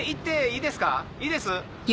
いいです？